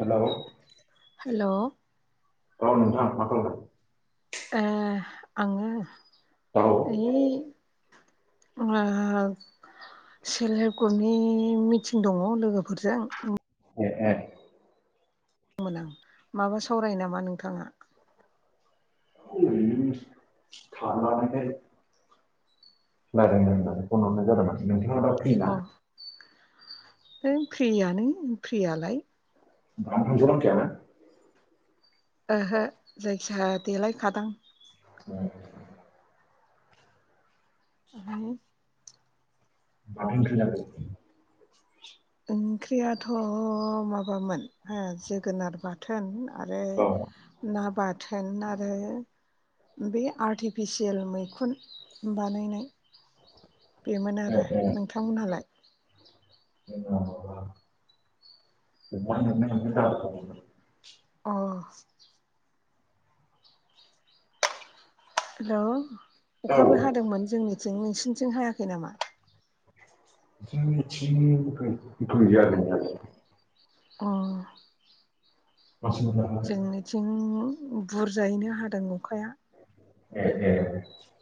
हेल' hello औ नोंथां मा खालामदों? ए आङो औ ओइ ओ सेल हेल्प ग्रुपनि मिटिं दङ' लोगोफोरजों ए ए मोन आं माबा सावराय नामा नोंथाङा? [unintelligible] खारनानैहाय लारायनो होननानै फन हरनाय जादोंमोन नोंथाङा दा फ्रि ना? अ फ्रियानो फ्रियालाय। [inaudible] ओहो जायखिया देलायखादां। उम आ [unintelligible] माथो ओंख्रि जादों? ओंख्रियाथ' माबामोन हो जोगोनार बाथ थोन आरो औ ना बाथोन आरो बे आर्टिफिसियेल मैखुन बानायनाय बेमोन ए आरो ए नोंथांमोनहालाय? [unintelligible] अ' हेल' औ अखाबो हादोंमोन जोंनिथिं नोंसिनिथिं हायाखै नामा? जोंनिथिं गो-गोया गैनायालाय अ [unintelligible] थिं बुरजायैनो हादों अखाया। [unintelligible]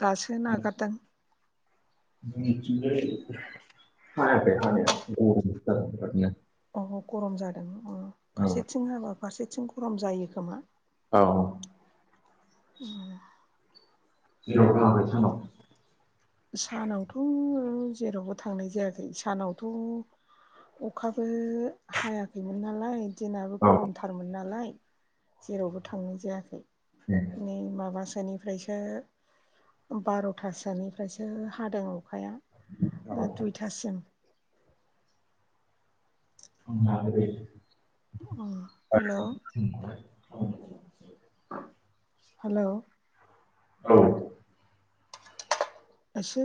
दासो नागारदों जोंनिथिं जाय हायाखै हानाया गरम सो जादों बिरादनो। अ गरम जादों अ औ फारसेथिं हाबा फारसेथिं गरम जायो खोमा। औ उम जेरावबो थाङाखै सानाव? सानावथ' जेरावबो थांनाय जायाखै सानावथ' अखाबो हायाखैमोन नालाय दिनाबो औ गरमथारमोन नालाय जेरावबो थांनाय जायाखै। [unintelligible] माबासोनिफ्रायसो बार'थासोनिफ्रायसो हादों अ खाया औ ओ दुइथासिम। [unintelligible] अ औ हेलौ [inaudible] हेलौ औ एसे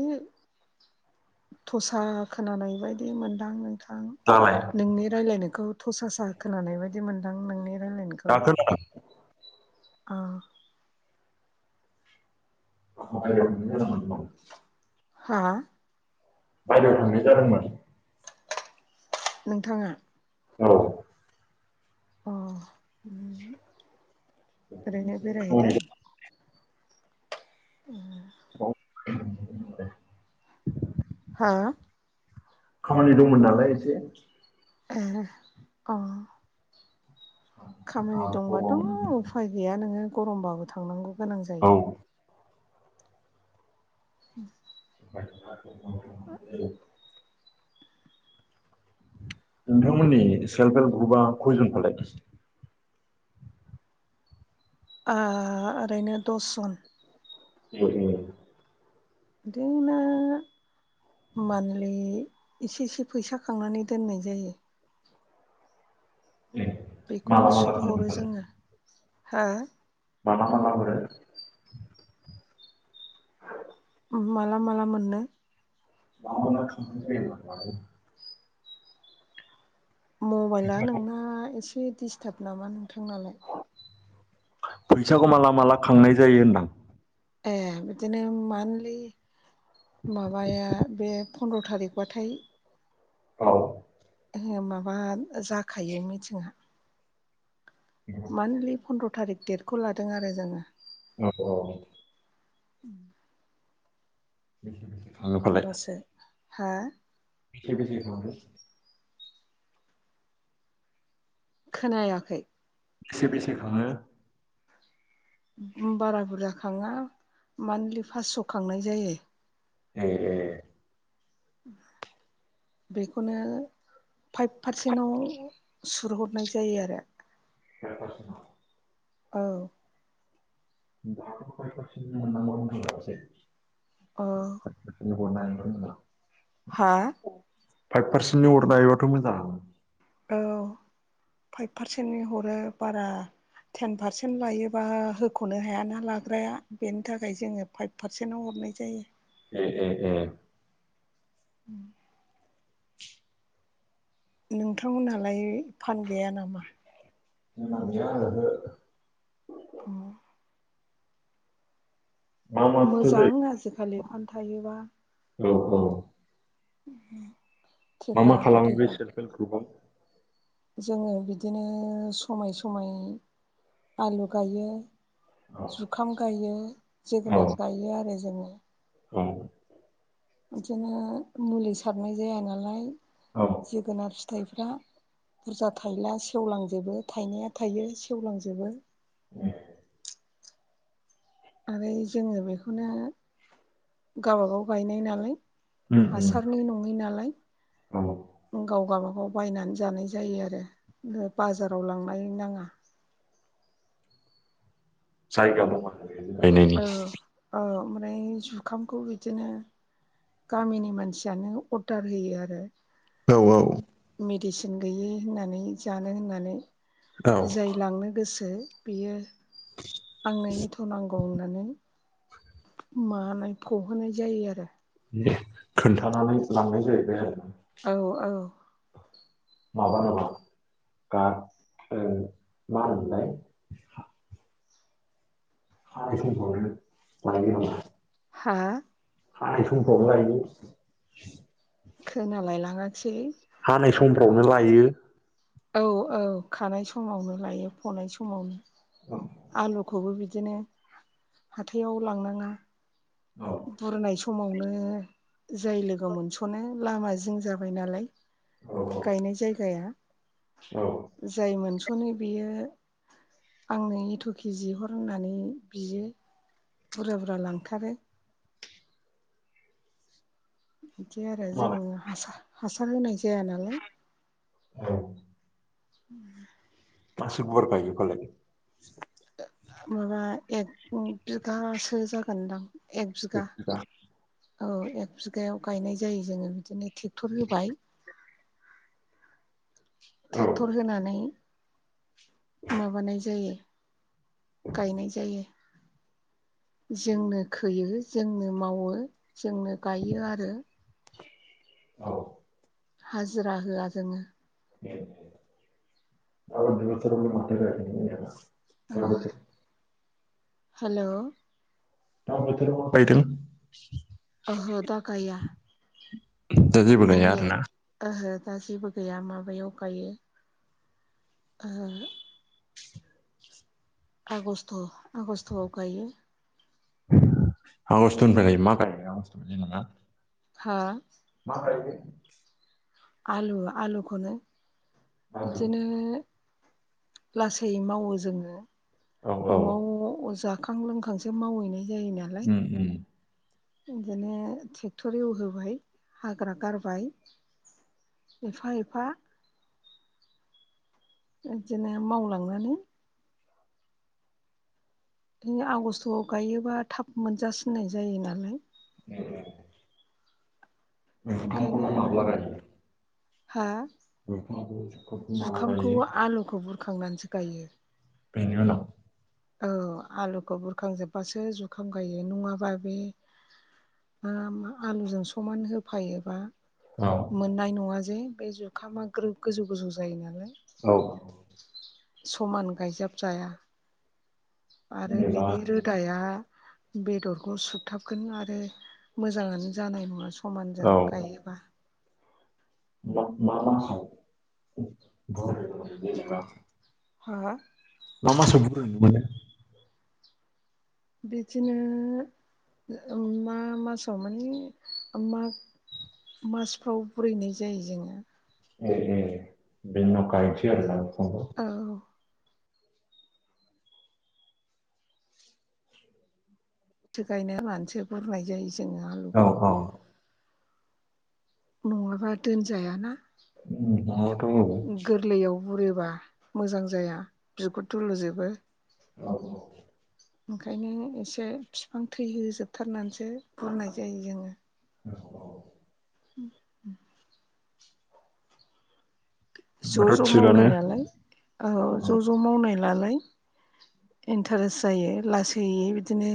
थसा खोनानाय बायदि मोनदां नोंथां दालाय नोंनि रायलायनायखौ थसासा खोनानाय बायदि मोनदां नोंनि रायलायनाय दा खोनादों? अ [unintelligible] हा बायजोआव थांनाय जादोंमोन नोंथाङा औ अ ओरैनो खामानि बेरायहैदों? उम औे हा? खामानि दंमोन नालाय एसे। ए अ खामानि गरम दंबाथ' औ उफाय गैया नोङो गरमबाबो थांनांगौ गोनां जायो। [inaudible] [unintelligible] नोंथांमोननि सेल्फ हेल्प ग्रुपआ खयजन फालाय? ओ ओरैनो दसजन [unintelligible] बिदिनो मान्थलि एसे एसे फैसा खांनानै दोननाय जायो। उम बेखौनो सुत हरो जोङो। हो? माला माला हरो? माला माला मोननो! न ख [unintelligible] मबाइला नोंना एसे डिस्टार्ब नामा नोंथांनालाय? फैसाखौ माला माला खांनाय जायो होनदां? ए बिदिनो मान्थलि माबाया बे फन्द्र' थारिकबाथाय औ ए माबा जाखायो मिथिंआ। मान्थलि पन्द्र' थारिक दडेटखौ लादों आरो जोङो। औ औ उम नि होमबासो हा? बेसे बेसे खाङो खोनायाखै। बेसे बेसे खाङो? बारा बुरजा खाङा मान्थलि फास्स' खांनाय जायो। ए [inaudible] बेखौनो फाइभ पारसेन्टाव सुत हरनाय जायो आरो। सस [unintelligible] औ दाबो फाइभ फार्चेन मोननांगौआव उन्दुलांसै। अ' ओबाव नायोमोन होनदां? हा? फाइभ पारसेन्टनि हरनो हायोबाथ' मोजां। औ फाइभ पारसेन्टनि हरो बारा टेन पारसेन्ट लायोबा होख'नो हायाना लाग्राया बेनि थाखाय जोङो फाइभ फारसेनो हरनाय जायो। ए ए ए। नोंथांमोनहालाय फान गैया नामा? [unintelligible] औ। मा मा फिथाइ मोजां आजिखालि फान थायोबा। औ औ। [inaudible] मा मा खालामो बे बिथेखा सेल्फ हेल्प ग्रुपआव? जोङो बिदिनो समाय समाय आलु गायो। औ जुखाम गायो जोगोनार औ गायो आरो जोङो। औ बिदिनो मुलि सारनाय जाया नालाय। औ जोगोनार फिथाइफ्रा बुरजा थाइला सेवलांजोबो थाइनाया थायो सेवलांजोबो। उम आरो जोङो बेखौनो गबागाव गायनाय नालाय उम उम हासारनि नङै नालाय। औ गाव गाबागाव बायनानै जानाय जायो आरो बाजाराव लांनाय नाङा। साय [unintelligible] गायनायनि औ औ ओमफ्राय जुखामखौ बिदिनो गामिनि मानसियानो अर्डार होयो आरो। औ औ। मेडिसिन गैयै होननानै जानो होननानै औ जाय लांनो गोसो बियो आंनो एथ' नांगौ होननानै मानायखौहोनाय जायो आरो। खोन्थानानै लांनाय जाहैबाय आरो। औ औ। माबा नामा गा ओ मा होनोमोनलाय? [unintelligible] हा? [unintelligible] लायो? खोनालाय लाङासैलै। हानाय समफ्रावनो लायो? औ औ खानाय समावनो लायो फनाय समावनो। आलुखौबो बिदिनो हाथायाव लांनाङा। औ। बुरनाय समावनो जाय लोगो मोनस'नो लामा जिं जाबाय नालाय। औ गायनाय जायगाया। औ। जाय मोनस'नो बेयो आंनो एथ' केजि हर होननानै बियो। बुरजा बुरजा लांथारो। बिदि आरो जों मालाय हासार हासार होनाय जाया नालाय। औ। उ मासे गुवार गायो फालाय? माबा एक बिगासो जागोनदां एक बिगा। औ एक बिगायाव गायनाय जायो जोंङो बिदिनो ट्रेक्टर होबाय। [inaudible] औ ट्रेक्टर होनानै माबानाय जायो गायनाय जायो। जोंनो खोयो जोंनो मावो जोंनो गायो आरो। औ हाजिरा होआ जोङो। [unintelligible] [unintelligible] [unintelligible] अ बोथोर हेल' दा बोथोराव‌ गायदों? ओहो दा गाया। दा जेबो गाया नै आरोना? ओहो दा जेबो गैया माबायाव गायो। ओ आगस्ट आगस्टआव गायो। आगस्ट निफ्राय गायो [unintelligible] हा? मा गायगोन आलु आलुखौनो मागो इदिनो लासै मावो जोङो। औ औ न'आव जाखां लोंखांसो मावहैनाय जायोना। उम उम। इदिनो ट्रेक्टर एवहोबाय हाग्रा गारबाय। एफा एफा इदिनो मावलांनानै। इनो आगस्ट'आव गायोबा थाब मोनजासिननाय जायो नालाय। [unintelligible] ओंखायनो ओंखामखौलाय माब्ला गायो हा? नोंथाङाबो जिउखौ बुंलांनाय बायदि जुखामखौ आलुखौ बुरखांनानैसो गायो। बेनि उनाव। औ आलुखौ बुरखांजोबबासो जुखाम गायो नङाबा बे [unintelligible] आलुजों समान होफायोबा अ। मोननाय नङा जे बे जुखामा ग्रो-गोजौ गोजौ जायो नालाय। औ समान गायजाबजाया आरो जेनेबा बेनि रो दाया बेदरखौ सुथाबगोन आरो मोजाङानो जानाय नङा। समानजों औ गायोबा। [unintelligible] मा मा [unintelligible] हा? मा मा संखो [unintelligible] बिदिनो मा मासाव माने माग मासफ्राव बुरैनाय जायो जोङो। ए ए बे नंखायथि आरो ना [unintelligible] औ थो गायना लानोसो बुरनाय जायो जोङो औ आलुखौ। औ नङाबा दोनजायाना नोंथाङाथ' बुंबाय गोरलैयाव बुरिबा मोजां जाया बिगुर थुलुजोबो। औ औ ओंखायनो एसे बिफां थैहोजोबथारनानैसो बुरनाय जायो जोङो। [unintelligible] [inaudible] ज' ए ज' मावनाय नालाय औ ज' ज' मावनाय नलाय इन्टारेस्ट जायो लासैयै बिदिनो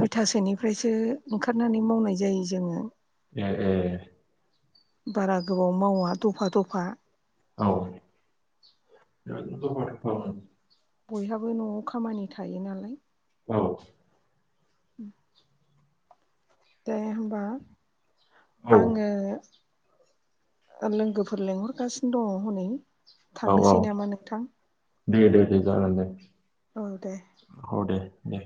दुइथासोनिफ्रायसो ओंखारनानै मावनाय जायो जोङो। ए बारा गोबाव मावा दफा-दफा। औ बयहाबो न'आव खामानि थायो नालाय। औ उम दे होमबा आङो। ओ-लोंगोफोर लेंंहरगासिनो दङ हनै औ औ थांनोसै नामा नोंथां? दे दे दे जागोन दे। औ दे औ दे दे